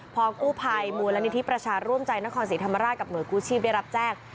พอกู้ภัยมูลนิธิประชาร่วมใจนครศรีธรรมราชกับหน่วยกู้ชีพได้รับแจ้ง